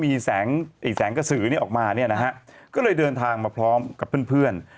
มีสัง๩ที่ออกมาเนี่ยก็เลยเดินทางมาพร้อมกับเพื่อนเพื่อน